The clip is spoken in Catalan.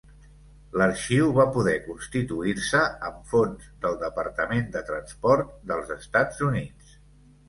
L'arxiu va poder constituir-se amb fons del departament de Transport dels Estats Units.